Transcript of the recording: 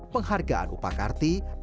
penghargaan upah karti